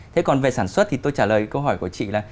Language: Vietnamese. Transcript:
thế còn về sản xuất thì tôi trả lời câu hỏi của chị là